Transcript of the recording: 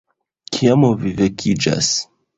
- Kiam vi vekiĝas